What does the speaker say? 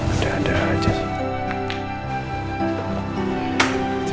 udah ada aja sih